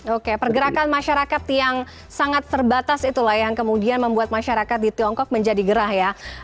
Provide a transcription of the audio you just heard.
oke pergerakan masyarakat yang sangat terbatas itulah yang kemudian membuat masyarakat di tiongkok menjadi gerah ya